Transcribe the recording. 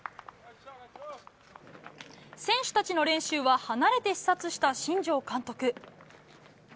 選手たちの練習は離れて視察した新庄監督。